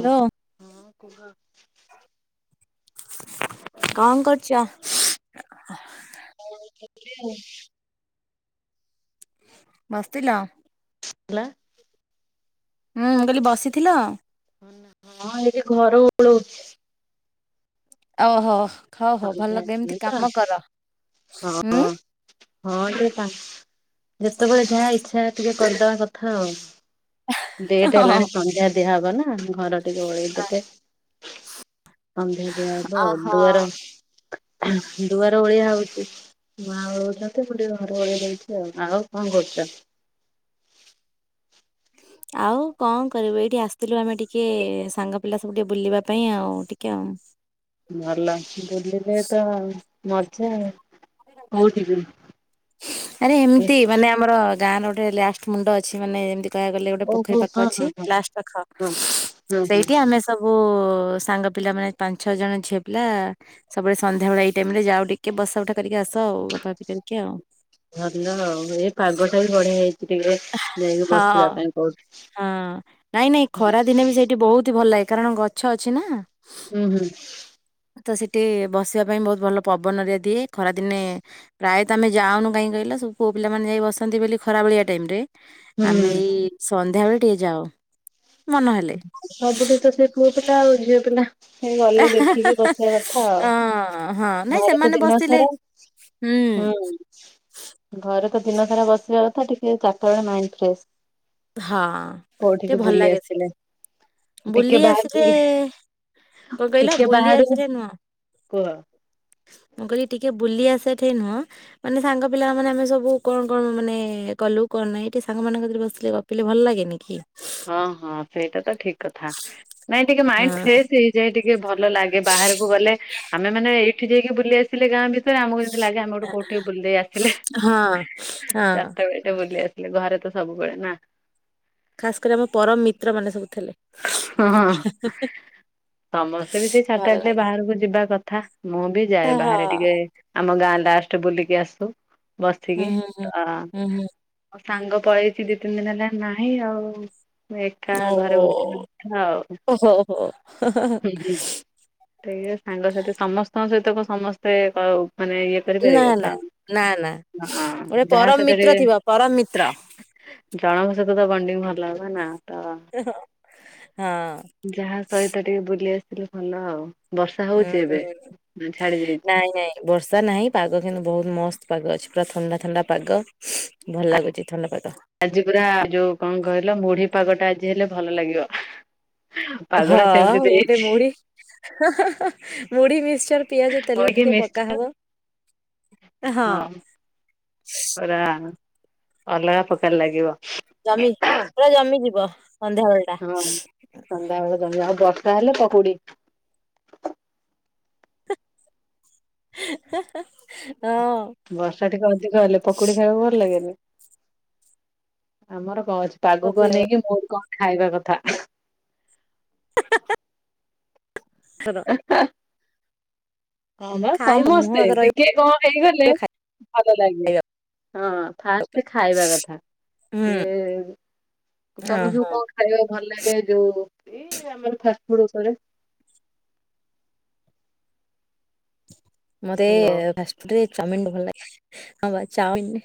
Hello. ହଁ କୁହ? କଣ କରୁଛ? କଣ କରୁଛୁ? ବସିଥିଲ? ହେଲା। ହୁଁ କହିଲି ବସିଥିଲ? ହଁ ଏଇଠି ଘର ଓଳୋଉଛି। ଓହୋ ଖ ହୋଉ ସନ୍ଧ୍ୟା ଭଲ ଅଛି ଏମିତି ନାଇଁ ତ କାମ କର। ହଁ। ହୁଁ ହଁ ଟିକେ ତା ଯେତେବେଳେ ଯାହା ଇଚ୍ଛା ଟିକେ କରିଦବା କଥା ଆଉ। ଲେଟ୍ ହେଲାଣି ସନ୍ଧ୍ୟା ଦିଆହବ ନା ଘର ଟିକେ ଓଳେଇଦେଲେ ସନ୍ଧ୍ୟା ଦିଅ ହବ, ଆଉ ଓହୋ ଦୁଆର ଦୁଆର ଓଳିଆ ହଉଚି। ମା ଓଳଉଚନ୍ତି ମୁଁ ଟିକେ ଘର ଓଳେଇ ଦଉଚି ଆଉ। ଆଉ କଣ କରୁଚ? ଆଉ କଣ କରିବି, ଏଇଠି ଆସିଥିଲୁ ଆମେ ଟିକେ ସାଙ୍ଗ ପିଲା ସବୁ ଟିକେ ବୁଲିବା ପାଇଁ ଆଉ ଟିକେ ଆଉ। ଭଲ ବୁଲିଲେ ତ ମଜା ଆଉ। କୋଉଠିକି ଆରେ ଏମିତି ମାନେ ଆପ୍ ଆମର ଗାଁରେ ଗୋଟେ ଲାଷ୍ଟ ମୁଣ୍ଡ ଅଛି। ମାନେ ଏମତି କହିଆକୁ ଗଲେ ଗୋଟେ ପୋଖରୀ ଓହୋ ପାଖ ହଁ ଅଛି ହଁ ହଁ ଲାଷ୍ଟ ପାଖ, ହଁ ହଁ ହଁ। ସେଇଟି ଆମେ ସେ ସବୁ ସାଙ୍ଗ ପିଲା ମାନେ, ପାଞ୍ଚ, ଛଅ ଜଣ ଝିଅ ପିଲା ସବୁବେଳେ ସନ୍ଧ୍ୟାବେଳ ଏଇ ଟାଇମ୍ ରେ ଯାଉ ଟିକେ, ବସା ଉଠା କରିକି ଆସ, ଆଉ ଗପାଗପି କରିକି ଆଉ। ଭଲ ଆଉ, ଏ ପାଗଟା ବି ବଢିଆ ହେଇ ଟିକେ-ଏ ଯାଇକି ହଁ ବସିବା ପାଇଁ କହୁଚି। ସେଟି ବହୁତ ହି, ଭଲ ଲାଗେ କାରଣ ଗଛ ଅଛି ନା? ହୁଁ, ହୁଁ। ତ ସେଟି ବସିବା ପାଇଁ ବହୁତ ଭଲ ପବନ ହରିଆଆ ଦିଏ ଖରାଦିନେ ପ୍ରାୟତ ଆମେ ଯାଉନୁ କାଇଁ କଇଲ, ସବୁ ପୁଅ ପିଲାମାନେ ଯାଇ ବସନ୍ତି, ବୋଲି ଖରା ବେଳିଆ ଟେମ୍ ରେ ହୁଁ ଆମେ ଏଇ ସନ୍ଧ୍ୟାବେଳେ ଟିକେ ଯାଉ ମନ ହେଲେ। ସବୁଠି ତ ସେ ପୁଅ ପିଲା ଆଉ, ଝିଅ ପିଲା ହେ ଗଲେ ଦେଖିକି ବସିଆ କଥା ଆଉ। ହଁ ହଁ ନାଇଁ ଘରେ ତ ସେମାନେ ଦିନ ବସିଲେ ସାରା ହୁଁ। ଘରେ ତ ଦିନ ସାରା ବସିଆ କଥା, ଟିକେ ଚାରିଟା ବେଳେ ମାଇଣ୍ଡ ଫ୍ରେସ୍। ହଁ କୋଉଠିି ଟିକେ କି ଭଲ ବୁଲି ଲାଗେ ସେଠି ଆସଥିଲେ? ବୁଲି ଟିକେ ବାହାର ଆସିଲେ ବୁଲି, କଣ କହିଲ ଟିକେ ବୁଲି ବାହାର କୁ ଆସିଲେ ନୁହଁ କୁହ! ମୁଁ କଇଲି ଟିକେ ବୁ ବୁଲିଆ ସେଠେ ନୁହଁ। ମାନେ ସାଙ୍ଗ ପିଲା ମାନେ ଆମେ ସବୁ କଣ କଣ ମାନେ କଲୁ, କଣ ନାଇଁ? ଏଠି ସାଙ୍ଗ ମାନଙ୍କ କତିରେ ବସିଲେ ଗପ୍ ପିଲେ ଭଲ ଲାଗେନି କି? ହଁ, ହଁ ସେଇଟା ତ ଠିକ୍ କଥା, ନାଇଁ ଟିକେ ମାଇଣ୍ଡ ହଁ। ଫ୍ରେସ୍ ହେଇ ଯାଇ ଟିକେ ଭଲ ଲାଗେ। ବାହାରକୁ ଗଲେ ଆମେ ମାନେ ଏଇଠି ଯାଇକି ବୁଲି ଆସିଲେ, ଗାଁ ଭି ତେରେ, ଆମକୁ ଯେମିତି ଲାଗେ ଆମେ ଗୋଟେ କୋଉଠି ଟିକେ ବୁଲି ଦେଇ ଆସିଲେ, ହଁ ହଁ ଚାରିଟା ବେଳେ। ଟିଏ ବୁଲି ଆସିଲି, ଘରେ ତ ସବୁବେଳେ ନା! ଖାସ୍ କରି ଆମ ପରମ ମିତ୍ର ମାନେ ସବୁ ଥିଲେ। ହଁ ହେଁ ହଁ ହେଁ ହେଁ। ସମସ୍ତେ ବି ସେଇ ସାତ ଆଟ୍ ଟା ବାହାରକୁ ଯିବା କଥା ମୁଁ ବି ଯାଏ। ହଁ ବାହାରେ ଟିକେ ଆମ ଗାଁ ଲାଷ୍ଟ ବୁଲିକି ଆସୁ, ହୁଁ ବସିକି ତ ଆଁ ହୁଁ ହୁଁ। ମୋ ସାଙ୍ଗ ପଳେଇଚି, ଦି ତିନି ଦିନି ହେଲା ନାହିଁ ଆଉ। ମୁଁ ଏକା ହୁଁ ଘରେ ବସ୍ ସଦ ହୁଁ କଥା ଆଉ ଓ ହୋ ହୋ ହୁଁ, ହୁଁ। [unintelligible] ସାଙ୍ଗସାଥି ସମସ୍ତଙ୍କ ସହିତ କ ସମସ୍ତେ କ ମାନେ ଇଏ ନା କରିପାରିବେ ନା। ତ, ନା ନା ଗୋଟେ ଆଁ ଯାହା ପରମ ସହିତ ମିତ୍ର ଟିକେ ଥିବ ପରମ ମିତ୍ର ଜଣଙ୍କ ସହିତ ତ ବଣ୍ଡିଙ୍ଗ୍ ଭଲ ହବ ନା ତ ଅହଁ, ହଁ। ଯାହା ସହିତ ଟିକେ ବୁଲି ଆସିଲେ ଭଲ ଆଉ। ବର୍ଷା ହଉଛି ହୁଁ। ଏବେ ନା ଛାଡି ଯାଇଚି? ନାଇଁ ନାଇଁ ବର୍ଷା ନାହିଁ, ପାଗ କିନ୍ତୁ ବହୁତ ମସ୍ତ ପାଗ ଅଛି। ପୁରା ଥଣ୍ଡା ଥଣ୍ଡା ପାଗ। ଭଲ ଲାଗୁଛି ଥଣ୍ଡା ପାଗ। ଆଜି ପୁରା ଯୋଉ କଣ କହିଲ? ମୁଢି ପାଗଟା ଆଜି ହେଲେ ଭଲ ଲାଗିବ। ହ, ପାଗଟା ସେମିତି ଗୋଟେ ଦେଇଛି ମୁଢି, ହା ହା ହା, ମୁଢି ମିିକ୍ଚର ପିଆଜ ତେଲ କଇକି ଟିକେ ପକା ମିକ୍ସଚର ହବ ହଁ ପୁରା ଅଲଗା ପ୍ରକାର ଲାଗିବ। ଯମି, ପୁରା ଯମି ଯିବ ସନ୍ଧ୍ୟାବେଳ। ହଁ ସନ୍ଧ୍ୟା ବେଳେ ଜମିଅ। ଆଉ ବର୍ଷା ହେଲେ ପକୁଡି। ହେଁ ହେଁ ଅଁ। ବର୍ଷା ଟିକେ ଅଧିକ ହେଲେ, ପକୁଡି ଖାଇବାକୁ ଭଲ ଲାଗେନି? ଆମର କଣ ଅନି ଅଛି? ପାଗକୁ ପକୁଡି ହବ ଅନେଇକି ମୁଡ୍ କଣ ଖାଇବା କଥା? [inaudible] [unintelligible] ହଁ ପା ଖାଇବ ମୁହଁ ସମସ୍ତେ ଆଗ ରହିବ ଟିକେ କଣ ହେଇଗଲେ ଭଲ। [unintelligible] ଖାଇବା ହଁ ଉପରେ। ଫାଷ୍ଟ ଖାଇବା କଥା ସେ ହଁ। ତମକୁ କଣ ଖାଇବା ଭଲ ଲାଗେ ଯୋଉ [unintelligible] ଆମର ଫାଷ୍ଟ ଫୁଡ ଉପରେ? ମୋତେ ହ୍ୟାଲୋ। ଫାଷ୍ ରେ ଚାଉମିନ ଟ ଭଲ ଲାଗେ। ହଁ ବା ଚାଓମିନ୍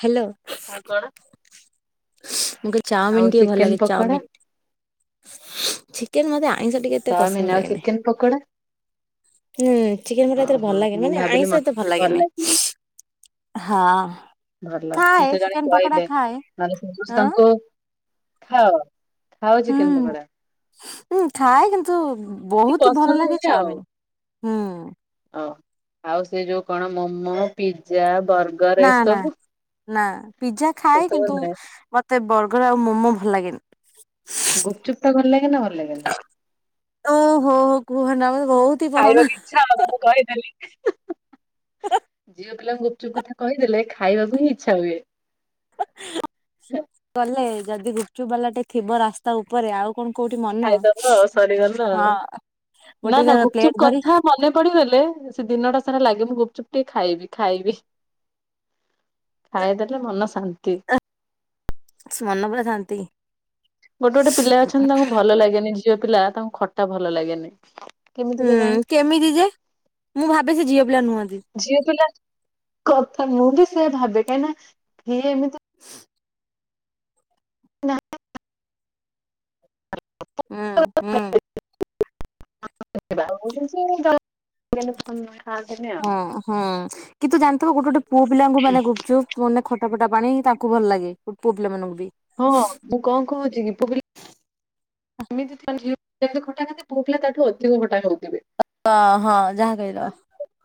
ହ୍ୟାଲୋ। ଆଉ କଣ? ମୁଁ କହିଲି ଆଉ ଚାଉମିନ ଟିକେ ଭଲ ଚିକେନ ଲାଗେ ପକୋଡା ଚାଉମିିନ। ଚିକେନ ମତେ ଆଇଁଷ ଟିକେ ଏତେ ପସନ୍ଦ ଚାଓମିନ୍। ଆଉ ଲାଗେନି। ଚିକେନ ପକୋଡା? ହୁଁ ଚିକେନ ମତେ ଏତେ ଟା ଓହୋ ଭଲ ଲାଗେନି। ମୁଁ ମାନେ ଭାବିଲି ଆଇଁଷ ଏତେ ଭଲ ମତେ ଲାଗେନି। ହଁ। ଭଲ କିଏ ଖାଏ ତ ଜଣେ ଚିକେନ ପକୋଡା କହିଲେ। ଖାଏ ନ ହେଲେ ଆଁ ସମସ୍ତଙ୍କୁ। [unintelligible] ଖାଅ ଚିକେନ ପକୋଡା? ହଁ ଖାଏ, କିନ୍ତୁ ଏତେ ବହୁତ ଭଲ ପସନ୍ଦ ଲାଗେ ଚାଉମିନ ହୁଁ। ଓଃ, ଆଉ ସେ ଯୋଉ କଣ ମୋମୋ, ପିଜ୍, ଜା ବର୍ଗର ନା ନା ଏସବୁ ନା ପିଜଜା ଖାଏ ଏସବୁ କିନ୍ତୁ ନୁହେଁ ମତେ ବର୍ଗର ଆଉ ମୋମୋ ଭଲ ଲାଗେନି। ଗୁପଚୁପ୍ ଟା ଭଲ ଲାଗେ ନା ଭଲ ଲାଗେନି? ଓହୋଃ କୁହନା ମତେ ବହୁତ ହି ପସନ୍ଦ। ଖାଇବାକୁ ଇଚ୍ଛା ହବ ମୁଁ କହିଦେଲି। ଝିଅ ପିଲାଙ୍କୁ ଗୁପଚୁପ କଥା କହିଦେଲେ ଖାଇବାକୁ ହିଁ ଇଚ୍ଛା ହୁଏ। ଗଲେ ଯଦି ଗୁପ୍ ଚୁପ୍ ବାଲାଟେ ଥିବ ରାସ୍ତା ତା ଉପରେ ଆଉ କଣ କୋଉଠି ମନ ଖାଇଦବ ଆଉ ସରିଗଲା ଆଉ। ହଁ। ନା ଗୋଟେ ନା ପ୍ଲେଟ ଗୁପଚୁପ ଧରି କଥା ମନେ ପଡିଗଲେ ସେ ଦିନଟା ସାରା ଲାଗେ ମୁଁ ଗୁପଚୁପ୍ ଟିକେ ଖାଇବି ଖାଇବି। ଖାଇଦେଲେ ମନ ଶାନ୍ତି। ସ୍ ମନ ପୁରା ଶାନ୍ତି। ଗୋଟେ ଗୋଟେ ପିଲା ଅଛନ୍ତି ତାଙ୍କୁ ଭଲ ଲାଗେନି। ଝିଅ ପିଲା ତାଙ୍କୁ ଖଟା ଭଲ ଲାଗେନି। କେମିତି ହୁଁ କେଜାଣି? କେମିତି ଯେ? ମୁଁ ଭାବେ ସେ ଝିଅ ପିଲା ନୁହନ୍ତି। ଝିଅ ପିଲା କଥା, ମୁଁ ବି ସେ ଭାବେ। କାହିଁକି ନା କିିଏ ଏମିତି ହୁଁ [unintelligible] ହୁଁ। [unintelligible] [unintelligible] ହୁଁ କିନ୍ତୁ ଜାଣିଥିବ ଗୋଟେ ଗୋଟେ ପୁଅ ପିଲାଙ୍କୁ ମାନେ ଗୁପଚୁପ ମାନେ ଖଟା ଫଟା ପାଣି ତାଙ୍କୁ ଭଲ ଲାଗେ। ପୁଅ ପିଲା ମାନଙ୍କୁ ବି। ହଁ ମୁଁ କଣ କହୁଛି କି ପୁଅ ପିଲା ଏମିତି [unintelligible] ପୁଅ ପିଲା ତାଠୁ ଅଧିକ ଖଟା ଖାଉଥିବେ। ତ ହଁ ଯାହା କହିଲ।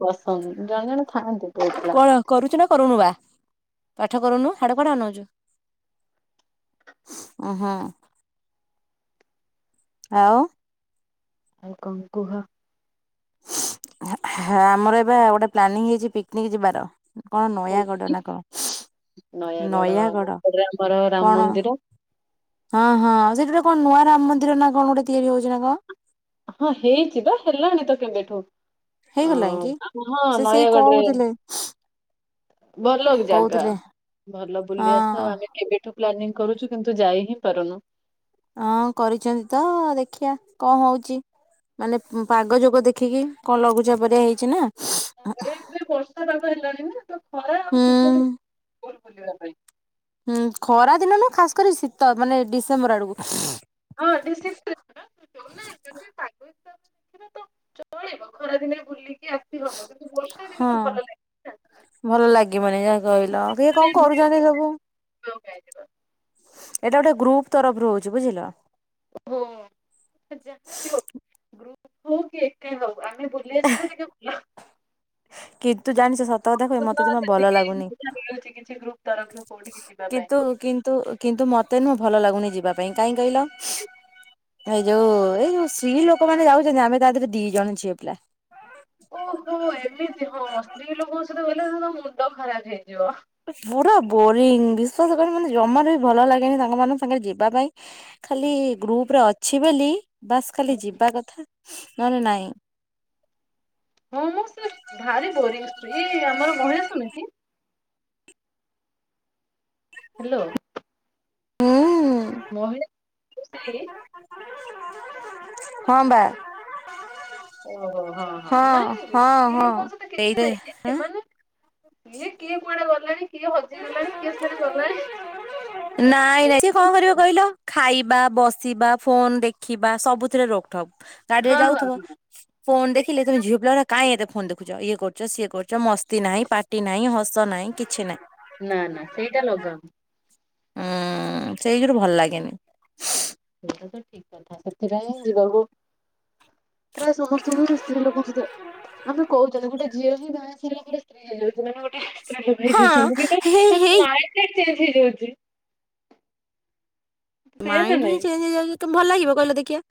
ପସନ୍ଦ ଜଣେ ଜଣେ ଥାଆନ୍ତି। ପୁଅ ପିଲା କଣ କରୁଛୁ ନା କରୁନୁ ବା ପାଠ କରୁନୁ ହାଡେ କୁଆଡ଼େ ଅନଉଛୁ। ଉ ହୁଁ। ଆଉ? ଆଉ କଣ କୁହ। ହ ଆମର ଏବେ ଗୋଟେ ପ୍ଲାନିଂ ହେଇଛି ପିକନିକ ଯିବାର। କଣ କୁହ? ନୟାଗଡ଼ ନା କଣ। ନୟାଗଡ [unintelligible] ଆମର କଣ ରାମ ମନ୍ଦିର। ହଁ ହଁ ଆ ସେଠାରେ ଗୋଟ କଣ ନୂଆ ରାମ ମନ୍ଦିର ନା କଣ ଗୋଟେ ତିଆରି ହଉଛି ନା କଣ। ହଁ ହେଇଛି ତ ହେଲାଣି ତ କେବେଠୁ ହେଇଗଲାଣି କି? ଅହଁ ସେ ସେଇ ନୟାଗଡରେ। [unintelligible] ଭଲ ଜାଗା, କହୁଥିଲେ ଭଲ ବୁଲି ଆସ ହଁ ଆମେ କେବେଠୁ ପ୍ଲାନିଂ କରୁଛୁ କିନ୍ତୁ ଯାଇ ହିଁ ପାରୁନୁ। ହଁ, କରିଛନ୍ତି ତ ଦେଖିବା କଣ ହଉଛି। ମାନେ ପାଗ ଯୋଗ ଦେଖିକି କଣ ଲଘୁଚାପ ଘରିକା ହେଇଛି ନା। [unintelligible] ଏବେ ବର୍ଷା ପାଗ ହେଲାଣି ନା ତ ଖରା ହୁଁ। ଆଉ ଶୀତ ଦିନେ ଭଲ ବୁଲିବା ପାଇଁ। ହୁଁ, ଖରା ଦିନ ନୁହେଁ ଖାସ କରି ଶୀତ ମାନେ ଡିସେମ୍ବର ଆଡକୁ। ହଁ ଡିସେ [unintelligible] [unintelligible] ତ ଚଳିବ ଖରା ଦିନେ ବୁଲିକି ଆସି ହବ କିନ୍ତୁ ବର୍ଷା ଦିନ ହଁ। ତ ଭଲ ଲାଗେ ନା। ଭଲ ଲାଗିବନି ଯାହା କହିଲ, ଅବିକା କଣ ଏମିତି କରୁଛନ୍ତି ସବୁ? ବୁଲିବାକୁ କାଇଁ ଯିବା। ଏଇଟା ଗୋଟେ ଗ୍ରୁପ ତରଫରୁ ହଉଛି ବୁଝିଲ। ହୁଁ ସେ ଯହା ବି ହଉ ଗ୍ରୁପ ହଉ କି କି ହଉ ଆମେ ବୁଲି ଆସିଲୁ ଟିକେ [inaudible] ହଁ! କିନ୍ତୁ ଜାଣିଛ ସତ କଥା କହିବି ମତେ ଜମା ଭଲ ସେତିକି ଲାଗୁନି ସୁବିଧା ମିଳୁଛି କିଛି ଗ୍ରୁପ ତରଫରୁ କୋଉଠିକି ଯିବା ପାଇଁ। କିନ୍ତୁ କିନ୍ କିନ୍ତୁ କିନ୍ତୁ ମତେନୁଁ ଭଲ ଲାଗୁନି ଯିବା ପାଇଁ କାହିଁ କହିଲ ଏଇ ଯୋଉ ଏଇ ଯୋଉ ସ୍ତ୍ରୀ ଲୋକମାନେ ଯାଉଛନ୍ତି ଆମେ ତା ଦେହରେ ଦି ଜଣ ଝିଅ ପିଲା। ଓହୋ ଏମିତି ହଁ ସ୍ତ୍ରୀ ଲୋକଙ୍କ ସହିତ ଗଲେ ତମ ମୁଣ୍ଡ ଖରାପ ହେଇଯିବ! ପୁରା ବୋରିଙ୍ଗ, ବିଶ୍ଵାସ କରିବନି ମାନେ ଜମାରୁ ବି ଭଲ ଲାଗେନି ତାଙ୍କ ମାନଙ୍କ ସାଙ୍ଗରେ ଯିବା ପାଇଁ। ଖାଲି ଗ୍ରୁପରେ ଅଛି ବୋଲି ବାସ୍ ଖାଲି ଯିବା କଥା ନହେଲେ ନାଇଁ। ହଁ, ମୁଁ ସେ ଭାରି ବୋରିଂ ସେଇ ଆମର ମହିଳା ସମିତି ହ୍ୟାଲୋ ହୁଁ ମହିଳା [inaudible] ହଁ ବା! ଓହୋ, ହଁ ହଁ ନାଇଁ ହଁ ସ୍ତ୍ରୀ ହଁ ଲୋକଙ୍କ ସହିତ କିଛି ଏଇରେ ନାଇଁ ଯେ ଆଁ ସେମାନେ କିଏ କିଏ କୁଆଡେ ଗଲାଣି କିଏ ହଜି ଗଲାଣି କିଏ ଶାଡେ ଗଲାଣି। ନାଇଁ ନାଇଁ, ସିଏ ଏମିତି କଣ କରିବ କହିଲ? ଖାଇବା, ବସିବା, ଫୋନ ଦେଖିବା, ସବୁଥିରେ ରୋକଠକ୍ ଗାଡିରେ ହଁ ହଁ ଯାଉଥିବ ଫୋନ ସେଇ ଦେଖିଲେ ତମେ ଝିଅ ପିଲା ଗୁଡାକ କାାଇଁ ଏତେ ଫୋନ ଦେଖୁଛ ଇଏ କରଛ ସିଏ କରଛ ମସ୍ତିନାହିଁ ପା ସ୍ତୀ ନାହିଁ ହସ ନହିଁ କିଛି ନାହିଁ। ନା, ନା, ସେଇଟା ଲଗାଅନି। ଉଁ, ସେଇଠୁ ଭଲ ଲାଗେନି। ସେଇଟା ତ ଠିକ କଥା, ସେଥିପାଇଁ ଯିବାକୁ ପ୍ରାୟ ସମସ୍ତଙ୍କୁ ସେ ସ୍ତ୍ରୀ ଲୋକ [inaudible] ସୁ ଆମେ କହୁ ଗୋଟେ ଝିଅ ହିଁ ବାହା ହେଇ ସାରିଲା ଗୋଟେ ସ୍ତ୍ରୀ ହେଇଯାଉଛି ମାନେ ଗୋଟେ ସ୍ତ୍ରୀ ଲୋକ ହେଇଜାଉଛି ହଁ ହେଇ ହେଇ କିନ୍ତୁ ନାଇ ସିଏ ଚେଞ୍ଜ ହେଇଯାଉଛି। ସେଇଆ ନା ମାଇଣ୍ଡ ହିଁ ନାଇଁ? ଚେଞ୍ଜ ହେଇଯାଉଛି ତ ଭଲ ଲାଗିବ କହିଲ ଦେଖିଆ?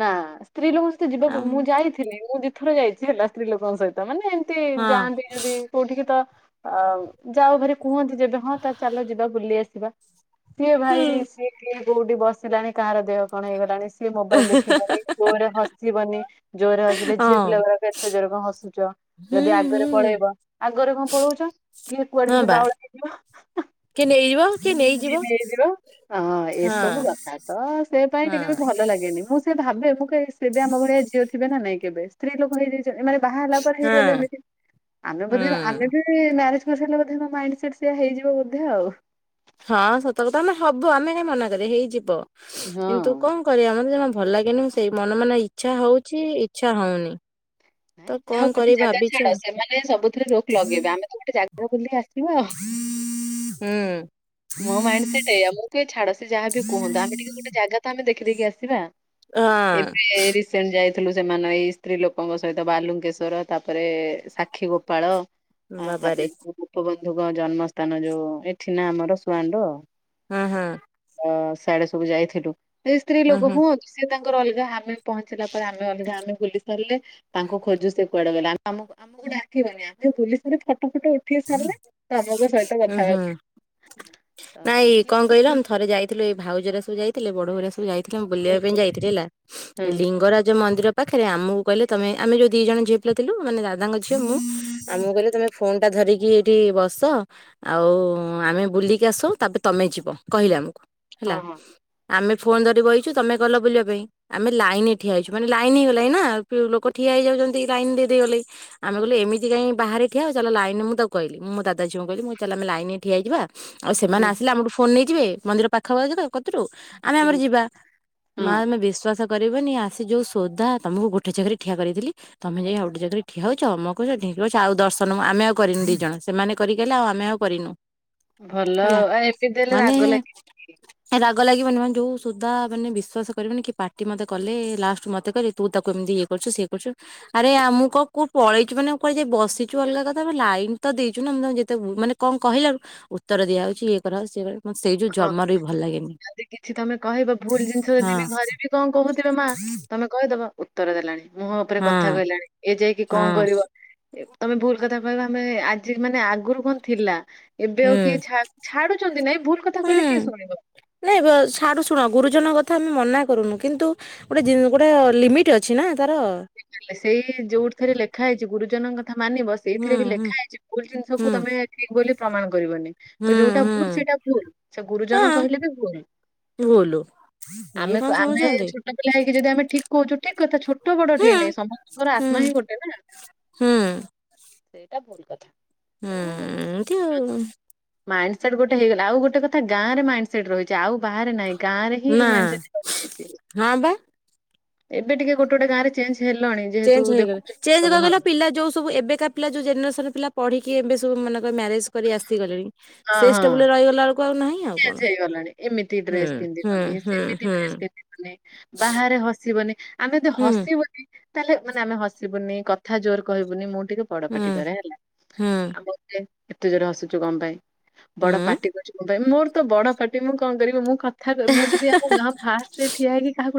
ନା, ସ୍ତ୍ରୀ ଲୋକଙ୍କ ସହିତ ଯିବାକୁ ଆମ୍ ମୁଁ ଯାଇଥିଲି ମୁଁ ଦିଇଥର ଯାଇଛି ହେଲା ସ୍ତ୍ରୀ ଲୋକଙ୍କ ସହିତ ମାନେ ଏ ତି ହଁ ଯାଆନ୍ତି ଯଦି କୋଉଠିକି ତ ଯାଅ ଭାରି କୁହନ୍ତି ଯେବେ ହଁ ତାହେଲେ ଚାଲ ଯିବା ବୁଲି ଆସିବା। ସିଏ ହୁଁ ଭାଇ ସିଏ କିଏ କୋଉଠି ବସିଲାଣି କାହାର ଦେହ କଣ ହେଇଗଲାଣି ସିଏ ମୋବାଇଲ ଦେଖିବନି ଜୋରରେ ହସିବନି ଜୋରରେ ହସିଲେ ଝିଅ ହଁ ପିଲାଗୁଡାକ ଏତେ ଜୋରରେ କଣ ହସୁଛ! ହୁଁ ଯଦି ହୁଁ ଆଗରେ ପଳେଇବ ଆଗରେ କଣ ପଳଉଛ କିଏ କୁଆଡେ ହଁ ଯଦି ବା ବାଉଳା ହେଇଯିବ! [unintelligible] କିଏ ନେଇଯିବ ଜିଦ ହେଇଯିବ ହଁ ଏସବୁ କଥା ତ ସେ ପାଇଁ ଟିକେ ହଁ ବି ଭଲ ଲାଗେନି! ମୁଁ ସେଇଆ ଭାବେ ମୁଁ କହେ ସେବି ଆମ ଭଳିଆ ଝିଅ ଥିବେ ନା ନାଇଁ କେବେ ସ୍ତ୍ରୀ ଲୋକ ହେଇଯାଇ ଏ ମାନେ ବାହା ହେଲା ପରେ ହଁ ହେଇଗଲେ ଏମିତି ଆମେ ବୋଧେ ହୁଁ ଆମେ ବି ମ୍ୟାରେଜ୍ କରିସାରିଲାପରେ ମାଇଣ୍ଡ ସେଟ୍ ସେଇଆ ହେଇଯିବ ବୋଧେ ଆଉ! ହଁ ସତ କଥା ମାନେ ହବ ଆମେ ହିଁ ମନା କରିବା ହେଇଯିବ କିନ୍ତୁ ହଁ କଣ କରିବା ମତେ ଜମା ଭଲ ଲାଗେନି ମୁ ସେଇ ମନ ମନେ ଇଚ୍ଛା ହଉଛି ଇଚ୍ଛା ହଉନି! ନାଇଁ ତ ଯାହା କଣ ହଉ ଗୋଟେ କରିବି ଜାଗା ଭାବିଛି ଛାଡ ଆଉ ସେମାନେ ସବୁଥିରେ ରୋକ ଲଗେଇବେ ଆମେ ଗୋଟେ ଜାଗା ବୁଲିକି ଆସିବ ହୁଁ ମୋ ମାଇଣ୍ଡ ସେଇଟା ଏଇଆ ମୁଁ ସିଏ ଛାଡ ସେ ଯାହାବି କୁହନ୍ତୁ ଆମେ ଟିକେ ଗୋଟେ ଜାଗା ତ ଆମେ ଦେଖିଦେଇକି ଆସିବା ହଁ ଏବେ ରି ସେଣୁ ଯାଇଥିଲୁ ସେମାନେ ଏଇ ସ୍ତ୍ରୀ ଲୋକଙ୍କ ସହିତ ବାଲୁଙ୍କେଶ୍ୱର ତାପରେ ସାକ୍ଷୀ ଗୋପାଳ। ଆ ବାବାରେ ତାପରେ ଗୋପବନ୍ଧୁଙ୍କ ଜନ୍ମସ୍ଥାନ ଯୋଉ ଏଠି ନା ଆମର ସୁଆଣ୍ଡୋ। ହୁଁ ହଁ। ହଁ ସିଆଡେ ସବୁ ଯାଇଥିଲୁ ଏ ସ୍ତ୍ରୀ ହୁଁ ଲୋକ ହୁଁ ହୁଅନ୍ତୁ ସିଏ ତାଙ୍କର ଅଲଗା ଆମେ ପହଞ୍ଚିଲା ପରେ ଆମେ ଅଲଗା ଆମେ ବୁଲି ସାରିଲେ ତାଙ୍କୁ ଖୋଜୁ ସେ କୁଆଡେ ଗଲେ? ଆ- ଆମ ଆମକୁ ଡାକିବନି ଅମେ ଆମ ବୁଲିସାରି ଫଟୋ ଫୋଟୋ ଉଠେଇ ସାରିଲେ [unintelligible] ସହିତ ହୁଁ ହୁଁ। କଥବାର୍ତ୍ତା। ଥିଲେ ଏଇ ଭାଉଘରିକା ସବୁ ଯାଇଥିଲେ ବଡ ବୋଉ ହରିଆ ସବୁ ଯାଇଥିଲେ। ମୁଁ ବୁଲିବା ପାଇଁ ଯାଇଥିଲି ହେଲା। ହୁଁ ଲିଙ୍ଗରାଜ ମନ୍ଦିର ପାଖରେ ଆମକୁ କହିଲେ ତମେ ଆମେ ଯୋଉ ଦି ଜଣ ଝଅ ପିଲା ଥିଲୁ ମାନେ ଦାଦା ଝିଅ ମୁଁ ଆମକୁ କହିଲେ ତମେ ଫୋନ ଟା ଧରିକି ଏଇଠି ବସ ଆଉ ଆମେ ବୁଲିକି ଆସଉ ତାପରେ ତମେ ଯିବ କହିଲେ ଆମକୁ ହଁ ହେଲା। ହଁ। ଆମେ ଫୋନ୍ ଧରି ବଇଛୁ ତମେ ଗଲ ବୁଲିବା ପାଇଁ। ଆମେ ଲାଇନରେ ଠିଆ ହେଇଛୁ ମାନେଲାଇନ ହେଇଗଲାଣି ନା ଲୋକ ଠିଆ ହେଇଯାଉଛନ୍ତି। ଲାଇନ ଦେଇଦେଇ ଗଲେ ଆମେ ହଁ କହିଲୁ ଏମିତି କାଇଁ ବାହାରେ ଠିଆହେବା ଚାଲ ଲାଇ ମୁଁ ତାକୁ କହିଲି ମୋ ଦାଦା ଝିଅ କୁ କହିଲି ଚାଲେ ଆମେ ଲାଇନ ରେ ଠିଆହେଇଜିବା ଆଉ ସେମାନେ ହୁଁ ଆସିଲେ ଆମଠୁ ଫୋନ ନେଇଯିବେ ମନ୍ଦିର ପାଖାପାଖି ତ କତିରୁ ଆମେ ହୁଁ ଆମର ଯିବା। ହଁ ମା ଆମେ ବିଶ୍ୱାସ କରିବନି ଆସି ଯଉ ସୋଦା ତମକୁ ଗୋଟେ ଜାଗାରେ ଠିଆ କରେଇଥିଲି ତମେ ଯାଇ ଆଉଟେ ଜାଗାରେ ଠିଆ ହଉଛ ଅମକ କରୁଚ ଢିଙ୍କି କରୁଚ ଆଉ ଦରଶନ ଆମେଉ କରିନୁ ଦିଟାଜାଙ୍କ ସେମାନେ କରିକି ଗଲେ ଆଉ ଆମେ ଆଉ କରିନୁ। ଭଲ ଆଉ ହେଲା ଆଉ ଏତେତେ ହେଲେ ମାନେ ରାଗ ଲାଗି ରାଗ ଲାଗିବନି ମାନେ ଯେଉଁ ସୋଦା ମାନେ ବିଶ୍ୱାସ କରିବନି କି ପାଟି ମତେ କଲେ ଲାଷ୍ଟ ମତେ କହିଲେ ତୁ ତାକୁ ଏମିତି ଇଏ କରୁଛୁ ସିଏ କରୁଛୁ ଆରେ ଆ ମୁଁ କ କୁଉ ପଳେଇଛି ମାନେ କୁଆଡେ ଯାଇ ବସିଛୁ ଅଲଗା ଲାଇନ ତ ଦେଇଚୁ ନା ମୁଁ ଯତେ ମାନେ କଣ କହିଲାରୁ ଉତର ଦିଆ ହଉଛି ଇଏ କରାହଉ ସିଏ ମତେ ସେଇ ଯଉ ହଁ ଜମାରୁ ବି ଭଲ ଲାଗେନି। ଯଦି କିଛି ତମେ କହିବ ଭୁଲ ଜିନିଷ ଯଦି ହଁ ବି ଘରେ ବି କଣ କହୁଥିବ ମା ତମେ କହିଦବ ଉତ୍ତର ଦେଲାଣି ମୁହଁ ଉପରେ ହଁ କଥା କହିଲାଣି ଏ ଯାଇକି କଣ ହଁ କରିବ ତମେ ଭୁଲ କଥା କହିବ ଆମେ ଆଜି ମାନେ ଆଗରୁ କଣ ଥିଲା? ଏବେ ଆଉ କିଏ ହୁଁ। ଛାଡୁ- ଛାଡୁଛନ୍ତି ନାଇଁ ଭୁଲ କଥା କହିଲେ କିଏ ହୁଁ ଶୁଣିବ। ନାଇଁ ସାରୁ ଶୁଣ ଗୁରୁଜନଙ୍କ କଥା ଆମେ ମନା କରୁନୁ କିନ୍ତୁ ଗୋଟେ ଜିନି ଗୋଟେ ଲିମିଟ ଅଛି ନା ତାର। ସେଇ ଯୋଉଠି ଥରେ ଲେଖା ହେଇଛି ଗୁରୁଜନଙ୍କ କଥା ମାନିବ। ହୁଁ ସେଇଥିରେ ବି ହୁଁ ଲେଖା ହେଇଛି ଭୁଲ ହୁଁ ଜିନିଷକୁୁ ତମେ ଠିକି ବୋଲି ପ୍ରମାଣ କରିବନି। ହୁଁ ତ ଯୋଉଟା ଭୁଲ ହୁଁ। ସେଇଟା ଭୁଲ ସେ ଗୁରୁଜନ କହିଲେ ବି ଭୁଲ। ଲୋ ଇଏ କଣ ଶୁଣୁଚନ୍ତି। ତାକୁ ଲାଗେ ଯଦି ଆମେ ଠିକ୍ କୋହୁଚୁ ଠିକ୍ କଥା ଛୋଟ ବଡ ଉଠେଇ ହୁଁ [unintelligible] ନେ ସମସ୍ତଙ୍କର ହୁଁ ଆତ୍ମା ହିଁ ଗୋଟେ ନା ହୁଁ ସେଇଟା ଭୁଲ କଥା। ହୁଁ ଏ ଏମତି ଆଉ ତାଙ୍କ ମାଇଣ୍ଡ ସେଟ୍ ଗୋଟେ ହେଇଗଲା ଆଉ ଗୋଟେ କଥା ଗାଁରେ ମାଇଁଣ୍ଡ ସେଟ୍ ରହିଚି ଆଉ ବାହାରେ ନାହିଁ ଗାଁରେ ହିଁ ଏଇ ନା ମାଇଣ୍ଡ ସେଟ୍ ଟିକେ ରହିଯାଇଚି। ହଁ ବା ଏବେ ଟିକେ ଗୋଟେ ଗୋଟେ ଗାଁରେ ଚେଞ୍ଜ ହେଲଣି। ଚେଞ୍ଜ ହେଇଗଲା ଚେଞ୍ଜ କଣ କହିଲ ପିଲା ଯୋଉ ସବୁ ଏବେକା ପିଲା ଯୋଉ ଜେନେରେସନ ପିଲା ପଢିକି ଏବେ ସବୁ ମାନେ ମ୍ୟାରେଜ କରି ଆସିଗଲେଣି ହଁ ସେ ହଁ। ଷ୍ଟେବୁଲରେ ରହିଗଲାବେଳ କୁ ଆଉ ନାହିଁ। ଆଉ କଣ ଚେଞ୍ଜ ହେଇଗଲାଣି ଏମିତି ହୁଁ ଡ୍ରେସ୍ ହୁଁ ପିନ୍ଧିବନି ହୁଁ ସେମିତି ହୁଁ ଡ୍ରେସ୍ ପିନ୍ଧିବନି। ବାହାରେ ହସିବନି ଆମେ ଯଦି ହୁଁ ହସିବୁ ତାହେଲେ ମାନେ ଆମେ ହସିବୁନି କଥା ଜୋର କହିବୁନି। ମୁଁ ଟିକେ ବଡ ପାଟି କରେ ହେଲା। ହୁଁ ହୁଁ ଆମେ ଘରେ ଏତେ ଜୋର ହସୁଚୁ କଣ ପାଇଁ ବଡ ହୁଁ ପାଟି କରିବୁ ମୋର ତ ବଡ ପାଟି ମୁଁ କଣ କରିବି। ମୁଁ କଥା ମୁଁ ଯଦି ଆମ ଗାଁ ଫାଷ୍ଟରେ ଠିଆ ହେଇକି କାହାକୁ